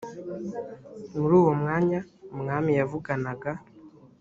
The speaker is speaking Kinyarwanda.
muri uwo mwanya umwami yavuganaga